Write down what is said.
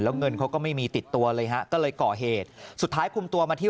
แล้วเงินเขาก็ไม่มีติดตัวเลยฮะก็เลยก่อเหตุสุดท้ายคุมตัวมาที่